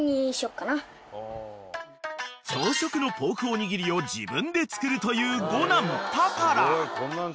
［朝食のポークおにぎりを自分で作るという五男天良］